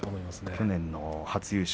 去年の初優勝